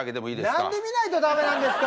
何で見ないと駄目なんですか。